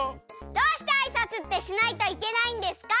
どうしてあいさつってしないといけないんですか？